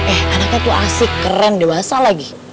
eh anaknya tuh asik keren dewasa lagi